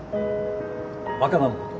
若菜のこと？